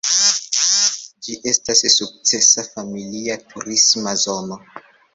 Ĝi estas sukcesa familia turisma zono.